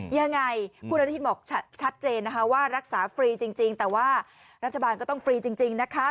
ยังไงคุณอนุทินบอกชัดเจนนะคะว่ารักษาฟรีจริงแต่ว่ารัฐบาลก็ต้องฟรีจริงนะคะ